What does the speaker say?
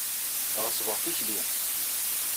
Ɣeṣbeɣ tikli.